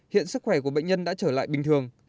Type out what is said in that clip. hiện sức khỏe của bệnh nhân đã trở lại bình thường